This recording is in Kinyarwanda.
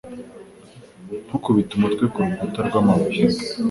Ntukubite umutwe kurukuta rwamabuye.